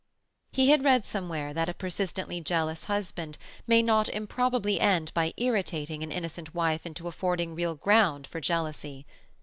He had read somewhere that a persistently jealous husband may not improbably end by irritating an innocent wife into affording real ground for jealousy.